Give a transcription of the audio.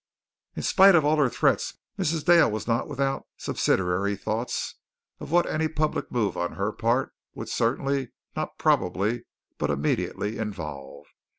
In spite of all her threats, Mrs. Dale was not without subsidiary thoughts of what any public move on her part would certainly, not probably, but immediately involve.